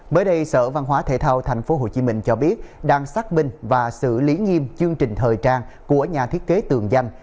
mới đây sở văn hóa thể thao tp hcm cho biết đang xác minh và xử lý nghiêm chương trình thời trang của nhà thiết kế tường danh